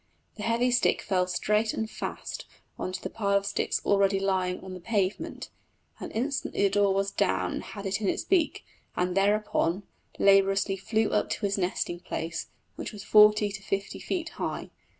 The heavy stick fell straight and fast on to the pile of sticks already lying on the pavement, and instantly the daw was down and had it in his beak, and thereupon laboriously flew up to his nesting place, which was forty to fifty feet high.